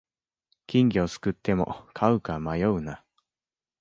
金魚すくっても飼うか迷うな